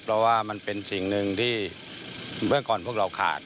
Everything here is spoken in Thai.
เพราะว่ามันเป็นสิ่งหนึ่งที่เมื่อก่อนพวกเราขาด